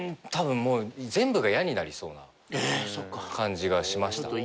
たぶんもう全部が嫌になりそうな感じがしました。